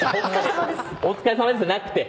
「お疲れさまです」じゃなくて。